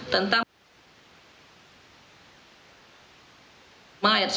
tentang pemberantasan tindak pidana korupsi